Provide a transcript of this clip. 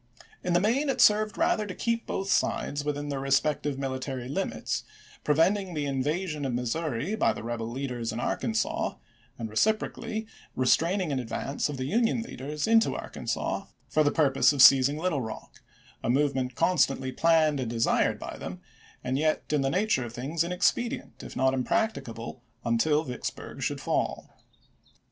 In the main it served rather to keep both sides within their respective military limits, preventing the invasion of Missouri by the rebel leaders in Arkansas, and reciprocally restraining an advance of the Union leaders into Arkansas for the pur pose of seizing Little Eock — a movement con stantly planned and desired by them, and yet in the nature of things inexpedient, if not imprac ticable, until Vicksburg should fall.